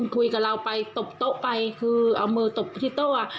คุยกับเราไปตบโต๊ะไปคือเอามือตบที่โต๊ะ